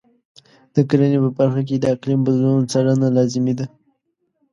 د کرنې په برخه کې د اقلیم بدلونونو څارنه لازمي ده.